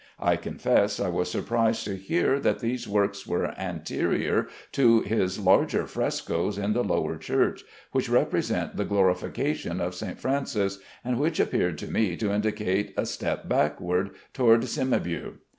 I confess I was surprised to hear that these works were anterior to his larger frescoes in the lower church, which represent the glorification of St. Francis, and which appeared to me to indicate a step backward toward Cimabue.